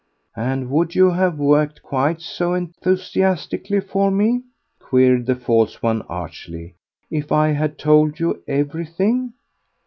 "And would you have worked quite so enthusiastically for me," queried the false one archly, "if I had told you everything?"